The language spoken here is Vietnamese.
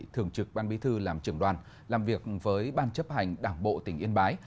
thường trực ban bí thư làm trưởng đoàn làm việc với ban chấp hành đảng bộ tỉnh yên bái